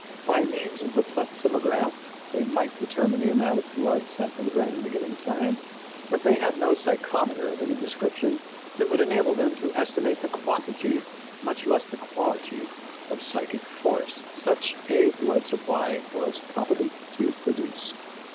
By means of the plethysmograph they might determine the amount of blood sent to the brain in a given time, but they had no psychometer of any description which would enable them to estimate the quantity, much less the quality, of psychic force such a blood supply was competent to produce.